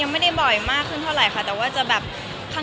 ไม่มีบ่อยมากขึ้นเท่าไหร่ข้างนอกมากกว่ากินข้าว